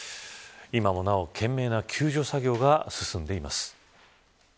今もなお、懸命な救助作業が進んでいます。